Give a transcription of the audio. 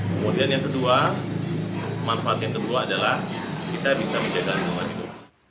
kemudian yang kedua manfaat yang kedua adalah kita bisa menjaga lingkungan hidup